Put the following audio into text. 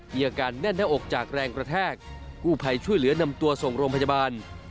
อาการแน่นหน้าอกจากแรงกระแทกกู้ภัยช่วยเหลือนำตัวส่งโรงพยาบาล